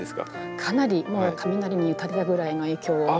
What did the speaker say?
かなり雷に打たれたぐらいの影響を受けました。